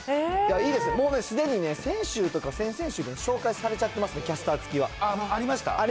いいですよ、もうすでに先週とか先々週、紹介されちゃってますね、キャスター付きは。